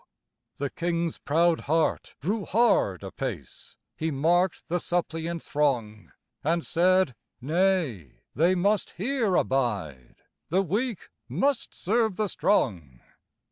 The king's proud heart grew hard apace; He marked the suppliant throng, And said, "Nay, they must here abide; The weak must serve the strong."